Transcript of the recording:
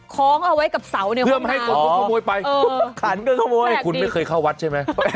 คล้องเอาไว้กับเสาในห้องน้ำขันก็ขโมยคุณไม่เคยเข้าวัดใช่ไหม